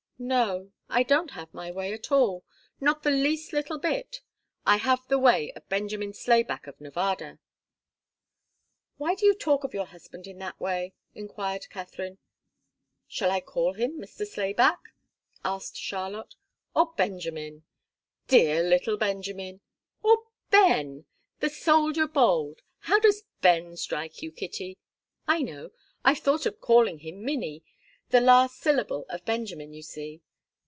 "No I don't have my way at all not the least little bit. I have the way of Benjamin Slayback of Nevada." "Why do you talk of your husband in that way?" enquired Katharine. "Shall I call him Mr. Slayback?" asked Charlotte, "or Benjamin dear little Benjamin! or Ben the 'soldier bold'? How does 'Ben' strike you, Kitty? I know I've thought of calling him Minnie last syllable of Benjamin, you see.